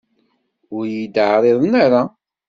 Ur iyi-d-ɛriḍen ara.